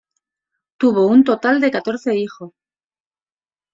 Tuvo un total de catorce hijos.